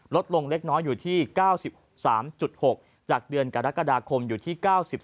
ลดลงเล็กน้อยอยู่ที่๙๓๖จากเดือนกรกฎาคมอยู่ที่๙๔